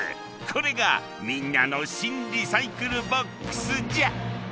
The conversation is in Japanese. これがみんなのシン・リサイクルボックスじゃ！